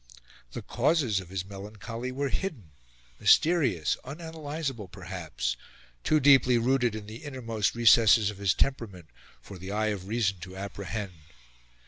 The causes of his melancholy were hidden, mysterious, unanalysable perhaps too deeply rooted in the innermost recesses of his temperament for the eye of reason to apprehend.